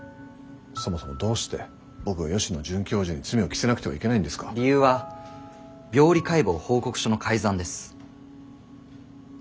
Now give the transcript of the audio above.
そもそもどうして僕が吉野准教授に罪を着せなくてはいけないんですか？理由は病理解剖報告書の改ざんです。